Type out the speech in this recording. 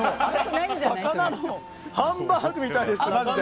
魚のハンバーグみたいです。